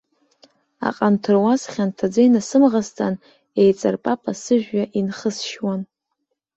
Аҟанҭаруаз хьанҭаӡа инасымӷаҵан, еиҵарпапа сыжәҩа инхысшьуан.